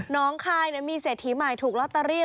น้องคายมีเศรษฐีใหม่ถูกลอตเตอรี่